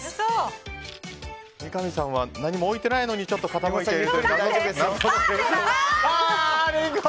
三上さんは何も置いてないのにちょっと傾いている。